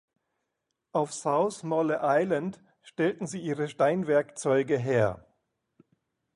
Auf South Molle Island stellten sie ihre Steinwerkzeuge her.